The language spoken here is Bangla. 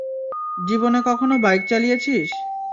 জীবনে কখনও বাইক চালিয়েছিস?